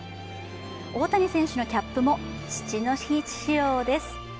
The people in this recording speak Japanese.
大谷選手のキャップも父の日仕様です。